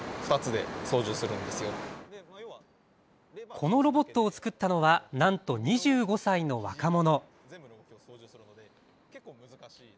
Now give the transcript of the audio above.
このロボットをつくったのはなんと２５歳の若者。